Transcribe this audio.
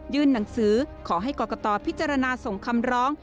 หนังสือขอให้กรกตพิจารณาส่งคำร้อง